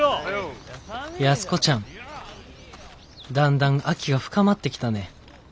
「安子ちゃん。だんだん秋が深まってきたね。